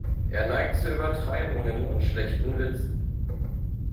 Er neigt zu Übertreibungen und schlechten Witzen.